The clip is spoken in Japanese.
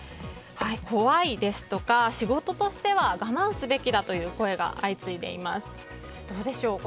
怖いですとか、仕事としては我慢すべきだという声が相次いでいます。